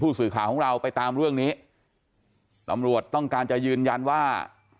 สื่อข่าวของเราไปตามเรื่องนี้ตำรวจต้องการจะยืนยันว่า